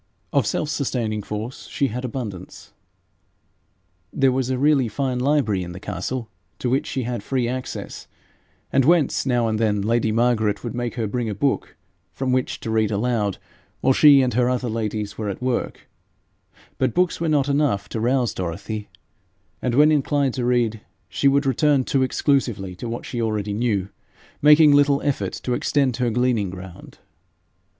Of self sustaining force she had abundance. There was a really fine library in the castle, to which she had free access, and whence, now and then, lady Margaret would make her bring a book from which to read aloud, while she and her other ladies were at work; but books were not enough to rouse Dorothy, and when inclined to read she would return too exclusively to what she already knew, making little effort to extend her gleaning ground.